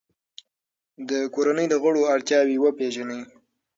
د کورنۍ د غړو اړتیاوې وپیژنئ.